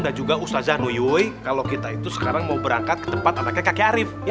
dan juga ustadz zanuyuy kalau kita itu sekarang mau berangkat ke tempat adanya kakek arief ya